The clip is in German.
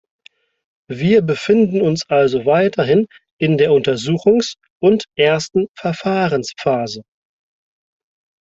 Wir befinden uns also weiterhin in der Untersuchungs- und ersten Verfahrensphase.